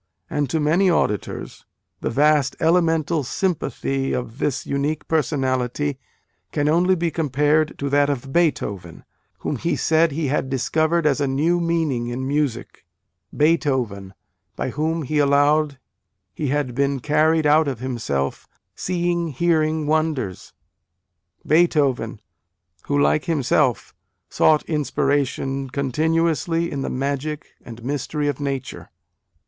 And to many auditors, the " vast elemental sympathy " of this unique personality can only be compared to that of Beethoven, whom he said he had "discovered as a new meaning in music:" Beethoven, by whom he allowed he "had been carried out of himself, seeing, hearing wonders :" Beethoven, who, like himself, sought inspiration continuously in the magic and mystery of Nature.